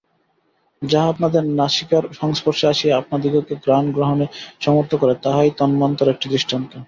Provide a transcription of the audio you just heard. যাহা আপনাদের নাসিকার সংস্পর্শে আসিয়া আপনাদিগকে ঘ্রাণ-গ্রহণে সমর্থ করে, তাহাই তন্মাত্রর একটি দৃষ্টান্ত।